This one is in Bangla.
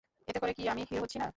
এতে করে কি আমি হিরো হচ্ছি না?